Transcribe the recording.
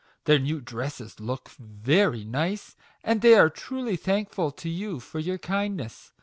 Their new dresses look very nice, and they are truly thankful to you for your kindness.